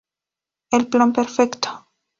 El plan perfecto.